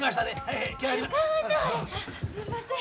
すんません。